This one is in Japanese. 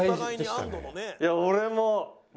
いや俺も。